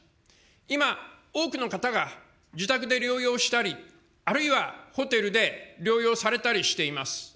今、多くの方が自宅で療養したり、あるいはホテルで療養されたりしています。